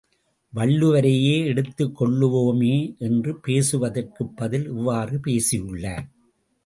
வள்ளுவரையே எடுத்துக் கொள்ளுவோமே என்று பேசுவதற்குப் பதில் இவ்வாறு பேசியுள்ளார்.